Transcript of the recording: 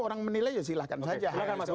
orang menilai ya silahkan saja